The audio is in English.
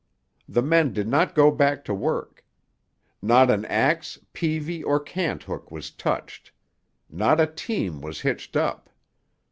The men did not go back to work. Not an axe, peavey or cant hook was touched; not a team was hitched up.